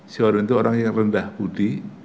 syawarun itu orang yang rendah budi